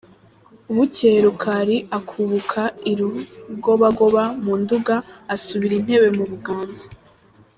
Bukeye Rukali akubuka i Rugobagoba mu Nduga, asubira i Ntebe mu Buganza.